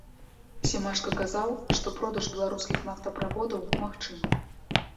Сямашка казаў, што продаж беларускіх нафтаправодаў магчымы.